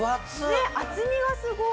ねえ厚みがすごい。